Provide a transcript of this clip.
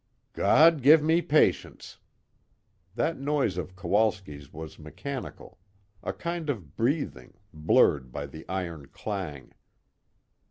"God give me patience!" That noise of Kowalski's was mechanical, a kind of breathing, blurred by the iron clang.